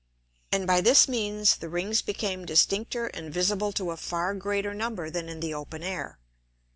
And by this means the Rings became distincter and visible to a far greater number than in the open Air.